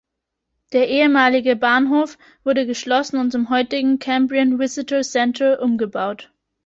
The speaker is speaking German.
Der ehemalige Bahnhof wurde geschlossen und zum heutigen Cambrian Visitor Centre umgebaut.